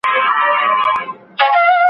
کمپيوټر فنګرپرينټ کاروي.